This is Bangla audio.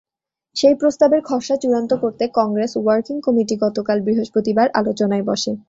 সেই প্রস্তাবের খসড়া চূড়ান্ত করতে কংগ্রেস ওয়ার্কিং কমিটি গতকাল বৃহস্পতিবার আলোচনায় বসে।